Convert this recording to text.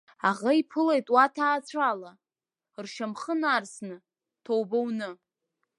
Аӷа иԥылеит уа ҭаацәала, ршьамхы нарсны, ҭоуба уны.